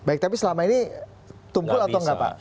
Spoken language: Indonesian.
baik tapi selama ini tumpul atau enggak pak